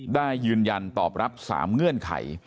ได้ยืนยันตอบรับ๓เงื่อนไข